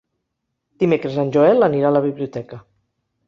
Dimecres en Joel anirà a la biblioteca.